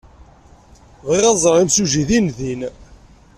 Bɣiɣ ad ẓreɣ imsujji dindin.